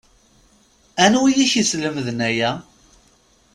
Anwi i k-yeslemden aya